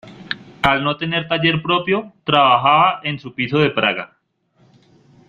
Al no tener taller propio, trabajaba en su piso de Praga.